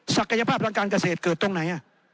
ศักยภาพการเกิดตรงไหน